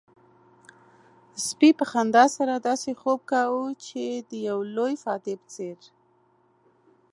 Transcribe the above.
سپي په خندا سره داسې خوب کاوه چې د يو لوی فاتح په څېر.